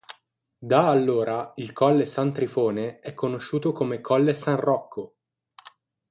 Da allora, il colle San Trifone è conosciuto come colle San Rocco.